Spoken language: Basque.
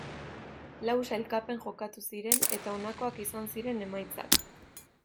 Lau sailkapen jokatu ziren eta honakoak izan ziren emaitzak.